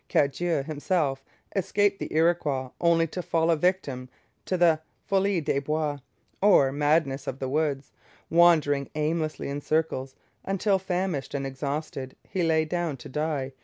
Cadieux himself escaped the Iroquois, only to fall a victim to the folie des bois, or madness of the woods, wandering aimlessly in circles, until, famished and exhausted, he lay down to die.